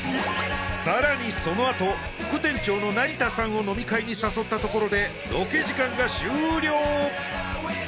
さらにそのあと副店長の成田さんを飲み会に誘ったところでロケ時間が終了